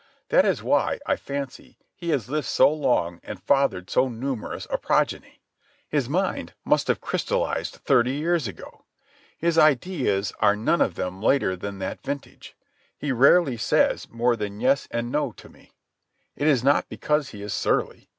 That is why, I fancy, he has lived so long and fathered so numerous a progeny. His mind must have crystallized thirty years ago. His ideas are none of them later than that vintage. He rarely says more than yes and no to me. It is not because he is surly.